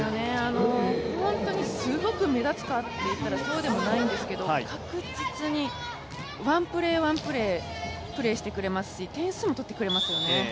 本当にすごく目立つかっていったらそうでもないんですけど確実にワンプレー、ワンプレー、プレーしてくれますし点数も取ってくれますよね。